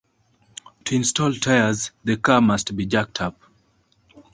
To install tires, the car must be jacked up.